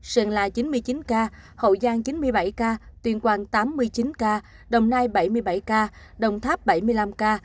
sơn la chín mươi chín ca hậu giang chín mươi bảy ca tuyên quang tám mươi chín ca đồng nai bảy mươi bảy ca đồng tháp bảy mươi năm ca